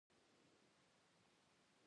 برټانیې د بلنې سره سم حرکت کړی دی.